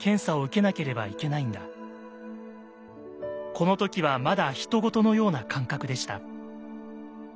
この時はまだ他人事のような感覚でした。